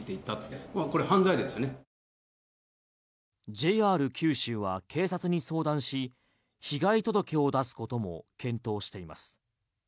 ＪＲ九州は警察に相談し被害届を出すことも検討しています。